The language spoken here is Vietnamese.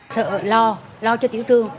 sợ lo lo cho tiểu thương